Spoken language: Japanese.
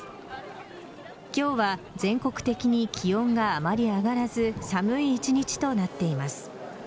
今日は全国的に気温があまり上がらず寒い１日となっています。